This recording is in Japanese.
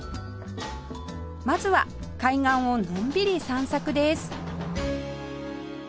まずは海岸をのんびり散策です